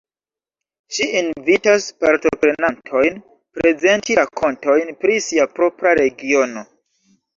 Ŝi invitas partoprenontojn prezenti rakontojn pri sia propra regiono.